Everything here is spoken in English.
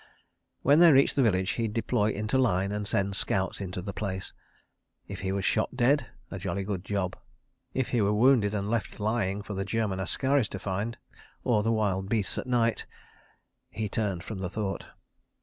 When they reached the village, he'd deploy into line and send scouts into the place. If he was shot dead—a jolly good job. If he were wounded and left lying for the German askaris to find—or the wild beasts at night ... he turned from the thought.